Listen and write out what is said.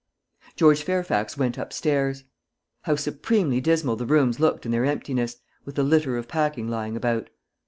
George Fairfax went up stairs. How supremely dismal the rooms looked in their emptiness, with the litter of packing lying about!